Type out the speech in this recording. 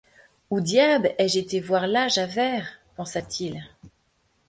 Où diable ai-je été voir là Javert? pensa-t-il.